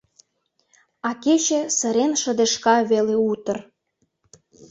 А кече сырен шыдешка веле утыр: